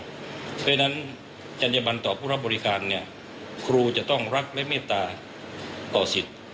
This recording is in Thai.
เพราะฉะนั้นจัญญบันต่อผู้รับบริการเนี่ยครูจะต้องรักและเมตตาต่อสิทธิ์